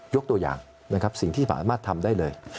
ยกตัวอย่างนะครับสิ่งที่สามารถทำได้เลย